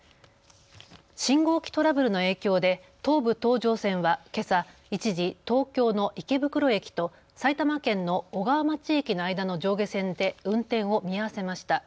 信号機トラブルの影響で東武東上線はけさ、一時、東京の池袋駅と埼玉県の小川町駅の間の上下線で運転を見合わせました。